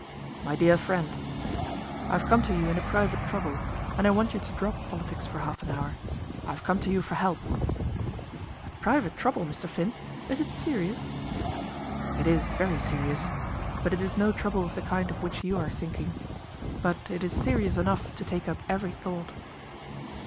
"My dear friend," he said, "I have come to you in a private trouble, and I want you to drop politics for half an hour. I have come to you for help." "A private trouble, Mr. Finn! Is it serious?" "It is very serious, but it is no trouble of the kind of which you are thinking. But it is serious enough to take up every thought."